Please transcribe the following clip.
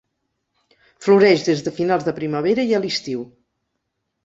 Floreix des de finals de primavera i a l'estiu.